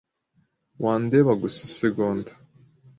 Wandeba gusa isegonda?